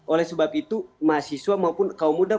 oleh sebab itu mahasiswa maupun kaum muda